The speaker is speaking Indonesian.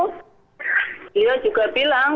beliau juga bilang